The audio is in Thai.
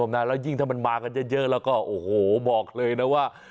แล้วยิ่งถ้ามันมากันเยอะแล้วก็โอ้โหบอกเลยนะว่า